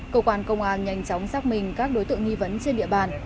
cơ quan công an nhanh chóng xác minh các đối tượng nghi vấn trên địa bàn